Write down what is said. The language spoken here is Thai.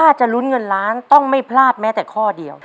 ถ้าจะลุ้นเงินล้านต้องไม่พลาดแม้แต่ข้อเดียว